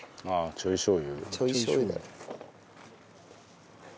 ちょいしょう油。